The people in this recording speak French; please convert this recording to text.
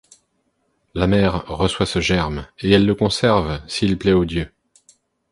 La mère reçoit ce germe, et elle le conserve, s’il plaît aux dieux.